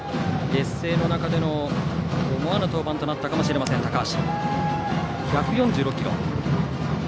劣勢の中での思わぬ登板となったかもしれません、高橋。